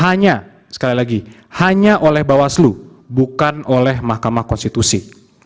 hanya sekali lagi hanya oleh bawaslu bukan oleh mahkamah konstitusi